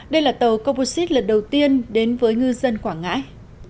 đây là tàu coposite lần đầu tiên đến với ngư dân quảng ngãi